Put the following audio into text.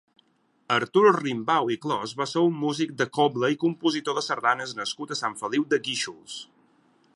Artur Rimbau i Clos va ser un músic de cobla i compositor de sardanes nascut a Sant Feliu de Guíxols.